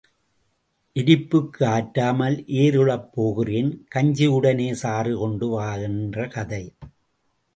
எரிப்புக்கு ஆற்றாமல் ஏர் உழப் போகிறேன் கஞ்சியுடனே சாறு கொண்டு வா என்ற கதை.